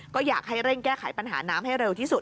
ก็อยากให้เร่งแก้ไขปัญหาน้ำให้เร็วที่สุด